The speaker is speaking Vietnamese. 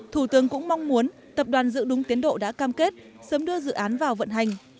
thủ tướng cũng mong muốn tập đoàn giữ đúng tiến độ đã cam kết sớm đưa dự án vào vận hành